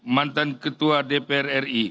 mantan ketua dpr ri